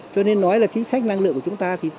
cho nên nói là chính sách năng lượng của chúng ta